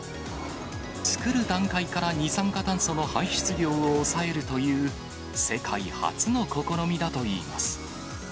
作る段階から二酸化炭素の排出量を抑えるという、世界初の試みだといいます。